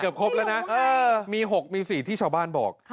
เกือบครบแล้วนะยังไม่รู้ไงมี๖มี๔ที่ชาวบ้านบอก